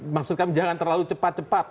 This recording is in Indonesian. maksud kami jangan terlalu cepat cepat